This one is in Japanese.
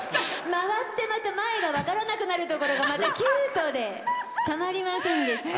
回って前が分からなくなるところがまたキュートでたまりませんでした。